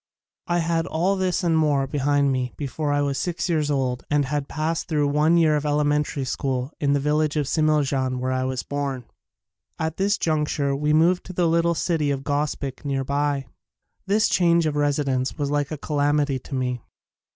I had all this and more behind me before I was six years old and had past thru one year of elementary school in the village of Smiljan where I was born. At this junc ture we moved to the little city of Gospic nearby. This change of residence was like a calamity to me.